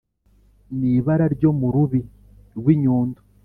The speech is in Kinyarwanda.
n’ibara ryo mu rubi rw’ i nyundo.